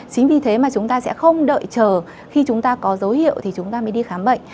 chính vì thế mà chúng ta sẽ không đợi chờ khi chúng ta có dấu hiệu thì chúng ta mới đi khám bệnh